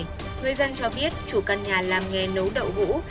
người dân cho biết chủ căn nhà làm nghề nấu đậu mũ